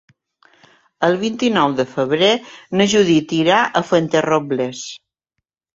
El vint-i-nou de febrer na Judit irà a Fuenterrobles.